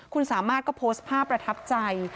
คุณสามารถก็โพสต์ภาพประทับใจ